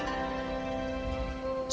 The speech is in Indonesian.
dia menemukan li jun